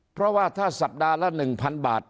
เพราะว่าถ้าสัปดาห์ละ๑๐๐๐บาท